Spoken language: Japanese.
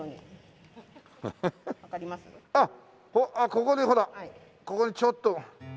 ここにほらここにちょっと。